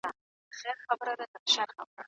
هغه وویل چې ادب له کلتور سره نږدې اړیکه لري.